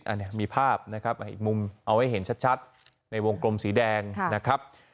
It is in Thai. อันนี้มีภาพนะครับอีกมุมเอาให้เห็นชัดในวงกลมสีแดงนะครับ